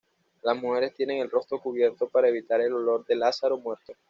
Las mujeres tienen el rostro cubierto para evitar el olor de Lázaro muerto.